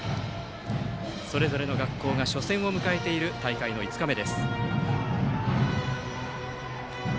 それぞれの学校が初戦を迎えている大会５日目。